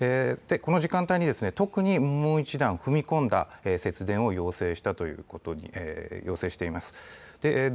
この時間帯に特に、もう一段、踏み込んだ節電を要請したということを要請しています。